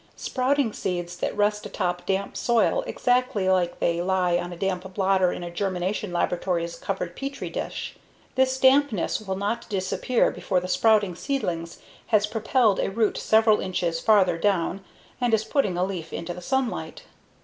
Sprouting seeds then rest atop damp soil exactly they lie on a damp blotter in a germination laboratory's covered petri dish. This dampness will not disappear before the sprouting seedling has propelled a root several inches farther down and is putting a leaf into the sunlight.